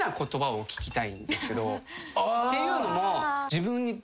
っていうのも。